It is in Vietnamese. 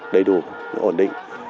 đầy đủ ổn định